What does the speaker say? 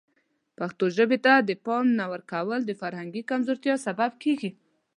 پښتو ژبې ته د پام نه ورکول د فرهنګي کمزورتیا سبب کیږي.